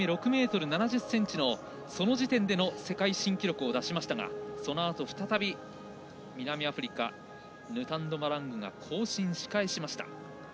１回目、６ｍ７０ｃｍのその時点での世界記録を出しましたがそのあと再び南アフリカヌタンド・マラングが更新し返しました。